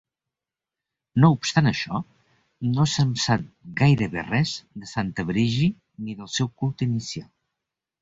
No obstant això, no se'n sap gairebé res de Santa Breage ni del seu culte inicial.